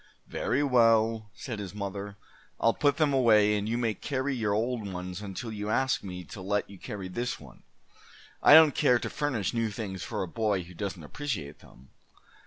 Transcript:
"Very well," said his mother. "I'll put them away, and you may carry your old ones until you ask me to let you carry this one. I don't care to furnish new things for a boy who doesn't appreciate them."